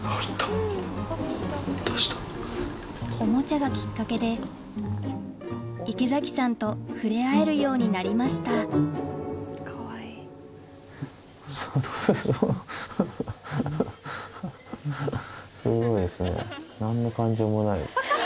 おもちゃがきっかけで池崎さんと触れ合えるようになりましたハハハ。